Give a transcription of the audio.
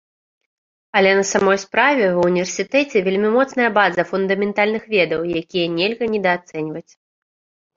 Але на самой справе, ва ўніверсітэце вельмі моцная база фундаментальных ведаў, якія нельга недаацэньваць.